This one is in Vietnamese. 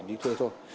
đi thuê thôi